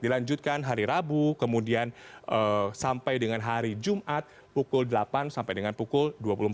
dilanjutkan hari rabu kemudian sampai dengan hari jumat pukul delapan sampai dengan pukul dua puluh empat